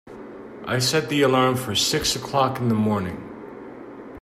I set the alarm for six o'clock in the morning.